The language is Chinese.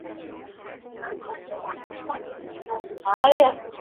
长教简氏大宗祠的历史年代为清。